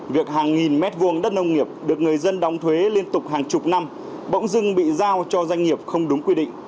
việc hàng nghìn mét vuông đất nông nghiệp được người dân đóng thuế liên tục hàng chục năm bỗng dưng bị giao cho doanh nghiệp không đúng quy định